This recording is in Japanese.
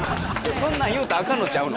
そんなん言うたらあかんのんちゃうの？